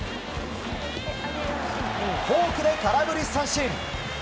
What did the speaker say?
フォークで空振り三振！